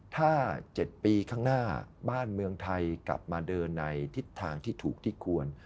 ถ้า๗ปีข้างหน้าบ้านเมืองไทยกลับมาเดินในทิศทางที่ถูกที่ควร